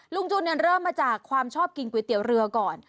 ลุ้งจุ้นเนี่ยเริ่มมาจากความชอบกินก๋วยเตี๋ยวเรือก่อน